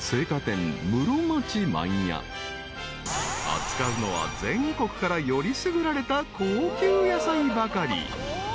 ［扱うのは全国からよりすぐられた高級野菜ばかり］